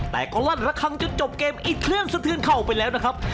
แต่ก็ลั่นระคังจนจบเกมอีกเครื่องสะเทือนเข้าไปแล้วนะครับ